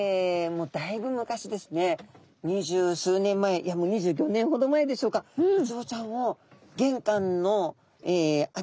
もうだいぶ昔ですね二十数年前２５年ほど前でしょうかえっ！？